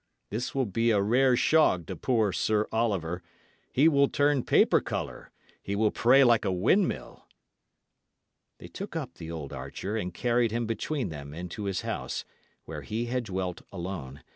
This will be a rare shog to poor Sir Oliver; he will turn paper colour; he will pray like a windmill." They took up the old archer, and carried him between them into his house, where he had dwelt alone.